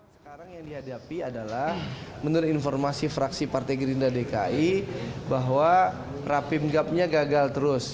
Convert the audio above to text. sekarang yang dihadapi adalah menurut informasi fraksi partai gerindra dki bahwa rapim gapnya gagal terus